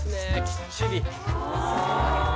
きっちり。